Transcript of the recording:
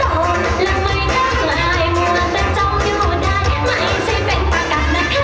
ต่อแล้วไม่ได้ไงมัวแต่เจ้าอยู่ด้านไม่ใช่เป็นประกันนะคะ